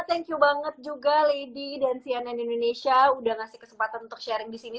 thank you banget juga lady dan cnn indonesia udah ngasih kesempatan untuk sharing di sini